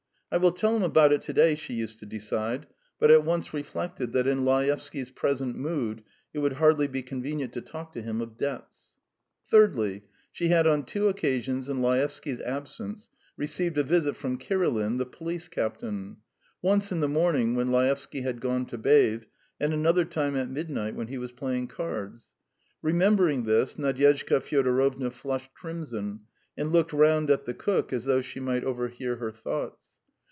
"I will tell him about it to day ...", she used to decide, but at once reflected that in Laevsky's present mood it would hardly be convenient to talk to him of debts. Thirdly, she had on two occasions in Laevsky's absence received a visit from Kirilin, the police captain: once in the morning when Laevsky had gone to bathe, and another time at midnight when he was playing cards. Remembering this, Nadyezhda Fyodorovna flushed crimson, and looked round at the cook as though she might overhear her thoughts.